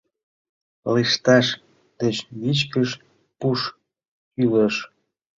Лышташ деч вичкыж пуш кӱлеш.